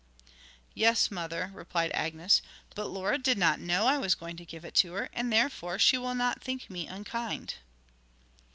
'Yes, mother,' replied Agnes; 'but Laura did not know I was going to give it her, and therefore she will not think me unkind.'